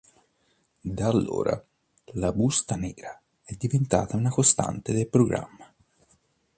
Da allora, la Busta nera è diventata una costante del programma.